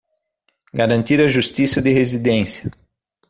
Garantir a justiça de residência